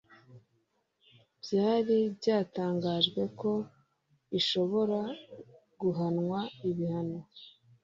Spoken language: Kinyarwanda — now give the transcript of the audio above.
byari byatangajwe ko ishobora guhanwa ibihano